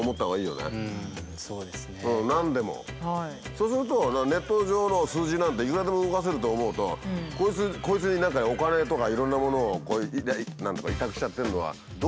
そうするとネット上の数字なんていくらでも動かせると思うとこいつに何かお金とかいろんなものをこういう何ていうか委託しちゃってるのはどうかなと思うよね。